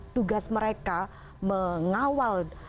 tugas mereka mengawal